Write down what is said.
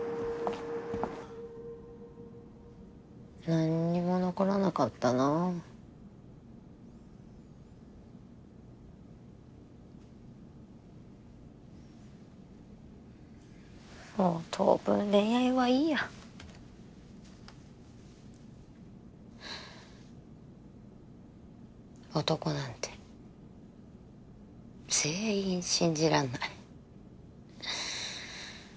何にも残らなかったなもう当分恋愛はいいや男なんて全員信じらんない